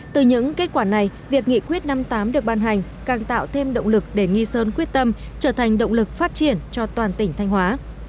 từ những kết quả này việc nghị quyết năm mươi tám được ban hành càng tạo thêm động lực để nghi sơn quyết tâm trở thành động lực phát triển cho toàn tỉnh thanh hóa